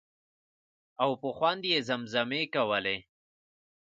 او په خوند یې زمزمې کولې.